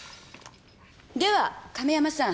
では亀山さん。